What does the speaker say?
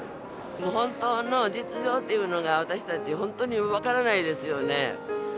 もう本当の実情っていうのが、私たち、本当に分からないですよね。